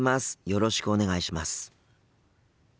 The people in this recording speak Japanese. よろしくお願いします。